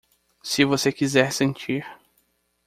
Se você quiser sentir